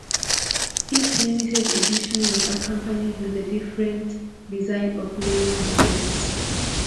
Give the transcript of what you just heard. Each limited edition was accompanied with the different design of lyric booklets.